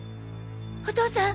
お父さん！